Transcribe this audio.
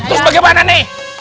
terus bagaimana nih